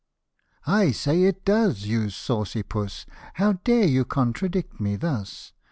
'' I say it does, you saucy puss : How dare you contradict me thus